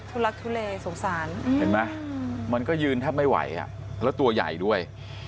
ลักทุเลสงสารเห็นไหมมันก็ยืนแทบไม่ไหวอ่ะแล้วตัวใหญ่ด้วย